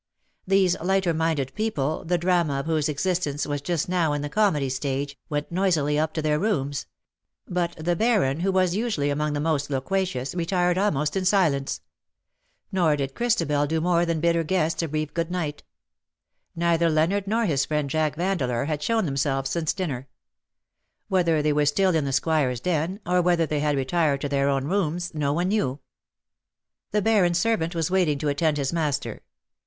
These lighter minded people^ the drama of whose existence was just now in the comedy stage, went noisily up to their rooms ; but the Baron^ who was usually among the most loquacious, retired almost in silence. Nor did Christabel do more than bid her guests a brief good night. Neither Leonard nor his friend Jack Vandeleur had shown themselves since dinner. Whether they were still in the Squire^s den^ or whether they had retired to their own rooms no one knew. The Baron^s servant v^^as waiting to attend his master.